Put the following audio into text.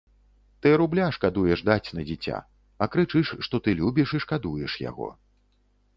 Ты рубля шкадуеш даць на дзіця, а крычыш, што ты любіш і шкадуеш яго.